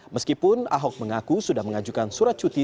meskipun ahok mengaku sudah mengajukan surat cuti